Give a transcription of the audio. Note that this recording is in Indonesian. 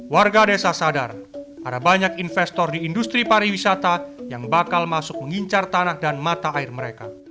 warga desa sadar ada banyak investor di industri pariwisata yang bakal masuk mengincar tanah dan mata air mereka